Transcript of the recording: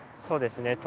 そうですね。